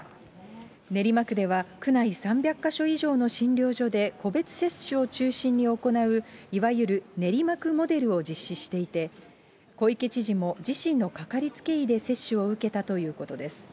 練馬区では区内３００か所以上の診療所で個別接種を中心に行う、いわゆる練馬区モデルを実施していて、小池知事も自身の掛かりつけ医で接種を受けたということです。